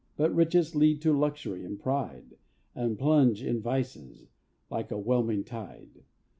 But riches lead to luxury and pride, And plunge in vices, like a whelming tide.